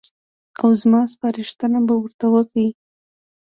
او زما سپارښتنه به ورته وکړي.